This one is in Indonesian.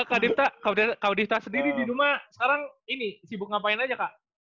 kalau dita sendiri di rumah sekarang ini sibuk ngapain aja kak